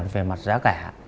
về mặt giá cả